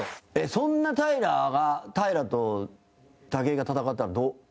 そんな平良が平良と武井が戦ったら、どう？